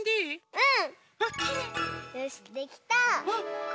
うん！